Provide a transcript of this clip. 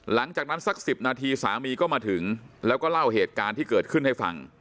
สัก๑๐นาทีสามีก็มาถึงแล้วก็เล่าเหตุการณ์ที่เกิดขึ้นให้ฟัง